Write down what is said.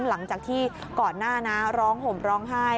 หลังจากที่ก่อนหน้านะร้องห่มร้องไห้